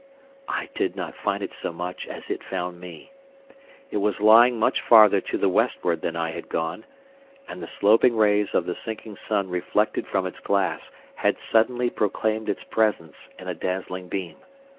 I did not find it so much as it found me. It was lying much farther to the westward than I had gone, and the sloping rays of the sinking sun reflected from its glass had suddenly proclaimed its presence in a dazzling beam.